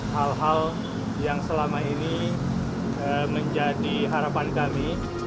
hal hal yang selama ini menjadi harapan kami